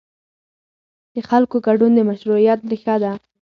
د خلکو ګډون د مشروعیت ریښه ده